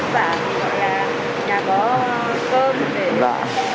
làm vất vả